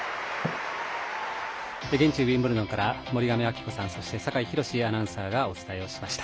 現地ウィンブルドンから森上亜希子さん、そして酒井博司アナウンサーがお伝えをしました。